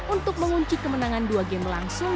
untuk mengunci kemenangan dua game langsung